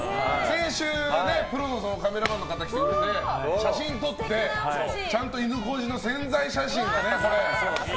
先週ね、プロのカメラマンの方来ていただいて、写真を撮ってちゃんといぬこじの宣材写真をね。